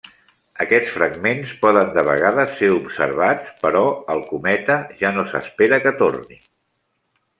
Aquests fragments poden de vegades ser observats, però el cometa ja no s'espera que torni.